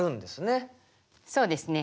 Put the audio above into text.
そうですね。